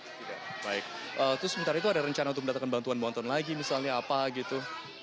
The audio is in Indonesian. terus sementara itu ada rencana untuk mendatangkan bantuan bantuan lagi misalnya apa gitu